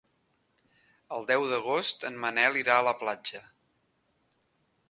El deu d'agost en Manel irà a la platja.